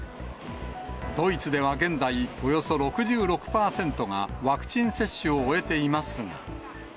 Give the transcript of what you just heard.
ドイツでは現在、およそ６６％がワクチン接種を終えていますが。